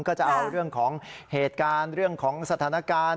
ก็จะเอาเรื่องของเหตุการณ์เรื่องของสถานการณ์